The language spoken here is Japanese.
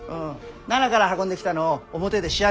奈良から運んできたのを表で仕上げておる。